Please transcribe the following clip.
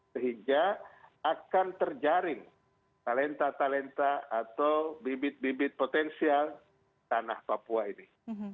sehingga akan terjaring talenta talenta atau bibit bibit potensial tanah papua ini